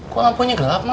kok lampunya gelap mak